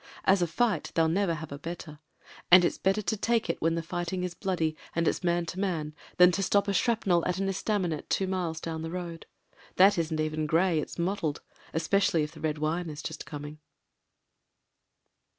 As a fight they'll never have a better ; and it's better to take it when the fighting is bloody, and it's man to man, than to stop a shrapnel at the es^ taminet two miles down the road. That isn't even grey — ^it's mottled: especially if the red wine is Just Qomin^.